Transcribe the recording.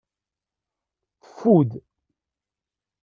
Teffud.